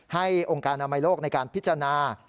องค์การอนามัยโลกในการพิจารณา